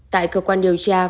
tại cơ quan điều tra